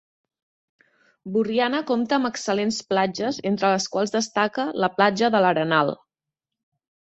Borriana compta amb excel·lents platges entre les quals destaca la platja de l'Arenal.